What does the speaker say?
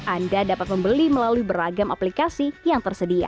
anda dapat membeli melalui beragam aplikasi yang tersedia